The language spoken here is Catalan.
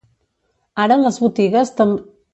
Ara les botigues tamb